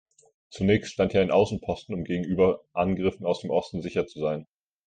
Zunächst stand hier ein Außenposten, um gegenüber Angriffen aus dem Osten sicher zu sein.